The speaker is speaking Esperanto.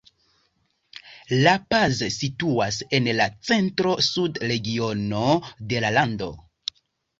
La Paz situas en la centro-suda regiono de la lando.